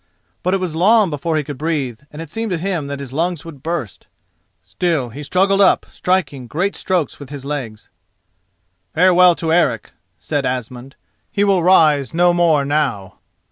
But it was long before he could breathe, and it seemed to him that his lungs would burst. Still, he struggled up, striking great strokes with his legs. "Farewell to Eric," said Asmund, "he will rise no more now."